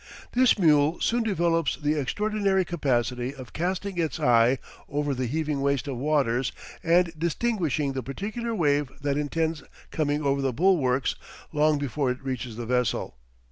This mule soon develops the extraordinary capacity of casting its eye over the heaving waste of waters and distinguishing the particular wave that intends coming over the bulwarks long before it reaches the vessel.